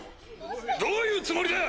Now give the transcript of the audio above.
・どういうつもりだ！